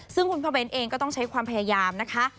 ซึ่งคุณพ่อเบ้นเองก็ต้องใช้ความพยายามนะคะ